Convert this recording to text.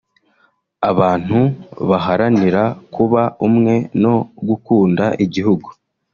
abantu baharanira kuba umwe no gukunda igihugu